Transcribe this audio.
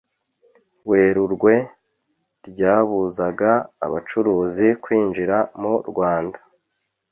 Werurwe ryabuzaga abacuruzi kwinjira mu Rwanda